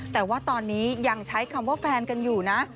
แต่ว่าตอนนี้ยังใช้คำว่าแฟนกันอยู่นะ